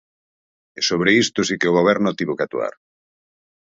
E sobre isto si que o Goberno tivo que actuar.